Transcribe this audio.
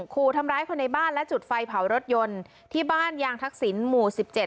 ขู่ทำร้ายคนในบ้านและจุดไฟเผารถยนต์ที่บ้านยางทักษิณหมู่๑๗